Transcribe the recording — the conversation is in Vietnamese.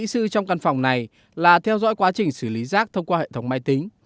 kỹ sư trong căn phòng này là theo dõi quá trình xử lý rác thông qua hệ thống máy tính